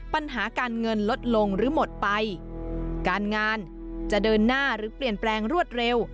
ปัญหาการเงินลดลงหรือหมดไปการงานจะเดินหน้าหรือเปลี่ยนแปลงรวดเร็ว